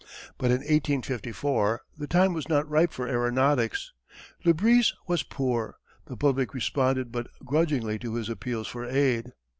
But in 1854 the time was not ripe for aeronautics. Le Bris was poor. The public responded but grudgingly to his appeals for aid.